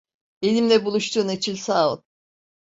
Benimle buluştuğun için sağ ol.